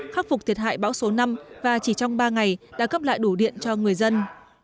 khắc phục thiệt hại bão số năm và chỉ trong ba ngày đã cấp lại đủ điện cho người dân